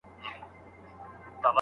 که ميرمن سفر ونکړي کوم مسئوليت پاتيږي؟